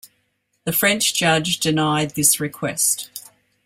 The French judge denied this request.